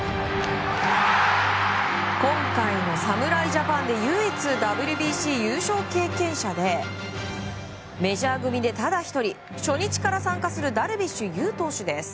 今回の侍ジャパンで唯一ＷＢＣ優勝経験者でメジャー組でただ１人初日から参加するダルビッシュ有投手です。